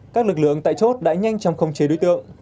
các lực lượng tại chốt đã nhanh chóng không chế đối tượng